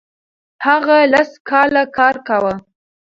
هغه لس کاله کار کاوه.